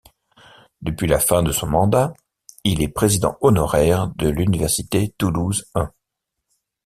Depuis la fin de son mandat, il est président honoraire de l'université Toulouse-I.